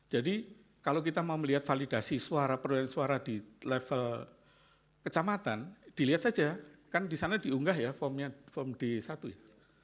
jadi kalau kita mau melihat validasi suara perlengkapan suara di level kecamatan dilihat saja kan di sana diunggah ya formnya form d satu ya